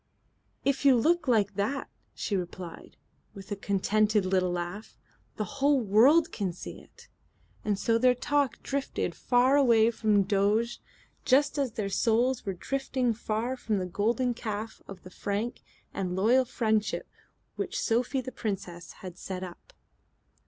"If you look like that," she replied, with a contented little laugh, "the whole world can see it." And so their talk drifted far away from Doges, just as their souls were drifting far from the Golden Calf of the Frank and Loyal Friendship which Sophie the Princess had set up.